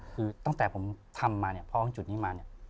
คือตั้งแต่ผมทำมาเนี่ยพอถึงจุดนี้มาเนี่ย